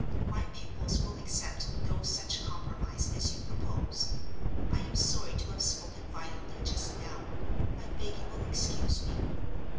My pupils will accept no such compromise as you propose. I am sorry to have spoken violently just now; I beg you will excuse me."